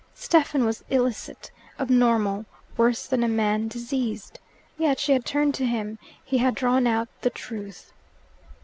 Stephen was illicit, abnormal, worse than a man diseased. Yet she had turned to him: he had drawn out the truth.